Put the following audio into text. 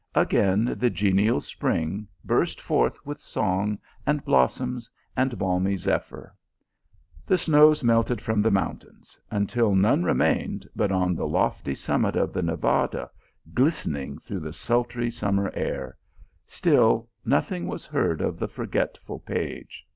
Again the genial spring burst forth with song, and blossoms, and balmy zephyr ; the snows melted from the mountains, until none remained, but on the lofty summit of the Nevada, glistening through the sultry summer air: still nothing was heard of the forgetful page.